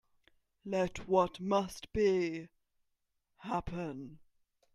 Let what must be, happen.